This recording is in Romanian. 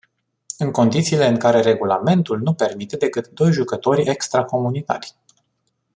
În condițiile în care regulamentul nu permite decât doi jucători extracomunitari.